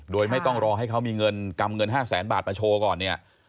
โดยไม่ต้องรอให้เขามีเงินกำเงิน๕แสนบาทมาโชว์ก่อนเนี่ย